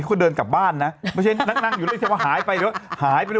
คนเดินกลับบ้านนะเพราะฉะนั้นนั่งอยู่ด้วยเชียวว่าหายไปหรือว่าหายไป